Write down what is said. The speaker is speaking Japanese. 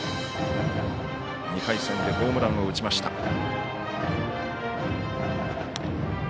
２回戦でホームランを打ちました。